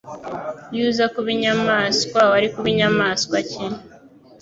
Iyo uza kuba inyamaswa, wari kuba inyamaswa ki?